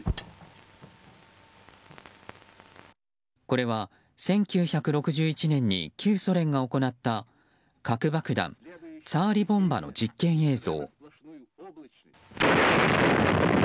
これは１９６１年に旧ソ連が行った核爆弾ツァーリ・ボンバの実験映像。